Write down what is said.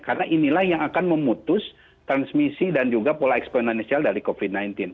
karena inilah yang akan memutus transmisi dan juga pola eksponensial dari covid sembilan belas